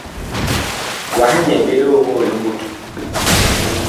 Wah nyɛɛ ɓe lioŋoo li mut.